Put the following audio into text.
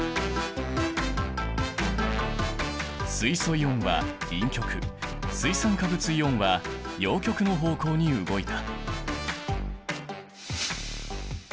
水素イオンは陰極水酸化物イオンは陽極の方向に動いた！